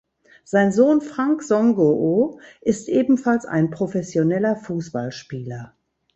Sein Sohn Franck Songo’o ist ebenfalls ein professioneller Fußballspieler.